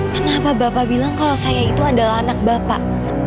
kenapa bapak bilang kalau saya itu adalah anak bapak